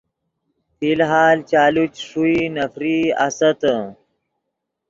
فی الحال چالو چے ݰوئی نفرئی آستّے۔